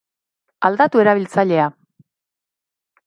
Aldatu erabiltzailea.